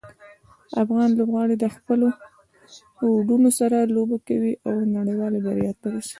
افغان لوبغاړي د خپلو هوډونو سره لوبه کوي او نړیوالې بریا ته رسي.